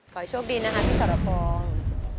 ขอให้โชคดีนะครับพี่สนพง